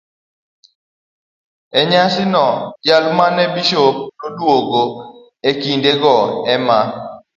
E nyasino, jal ma ne en bisop maduong' e kindeno ema